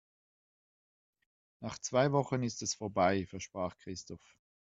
Nach zwei Wochen ist es vorbei, versprach Christoph.